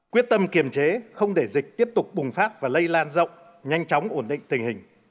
quyết tâm kiềm chế không để dịch tiếp tục bùng phát và lây lan rộng nhanh chóng ổn định tình hình